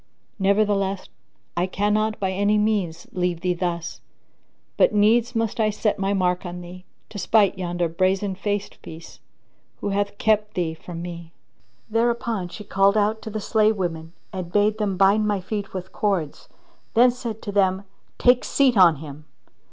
Nevertheless, I cannot by any means leave thee thus, but needs must I set my mark on thee, to spite yonder brazen faced piece, who hath kept thee from me." There upon she called out to the slave women and bade them bind my feet with cords and then said to them, "Take seat on him!"